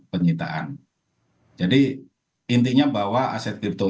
penyitaan jadi intinya bahwa aset kripto